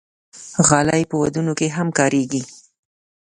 غالۍ په ودونو کې هم کارېږي.